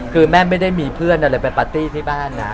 คือแม่ไม่ได้มีเพื่อนอะไรไปปาร์ตี้ที่บ้านนะ